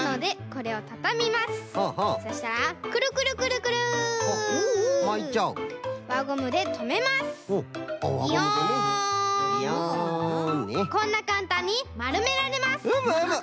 こんなかんたんにまるめられます！